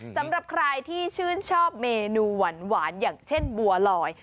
สำหรับใครที่ชื่นชอบเมนูหวานอย่างเช่นบัวลอย